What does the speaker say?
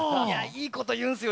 いいこと言うんですよ